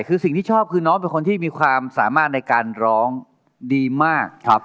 คือสิ่งที่ชอบคือน้องเป็นคนที่มีความสามารถในการร้องดีมาก